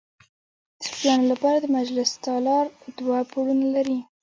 د صوفیانو لپاره د مجلس تالار دوه پوړونه لري.